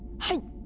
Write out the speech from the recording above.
はい！